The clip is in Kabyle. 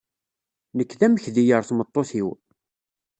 Nekk d amekdi ɣer tmeṭṭut-iw.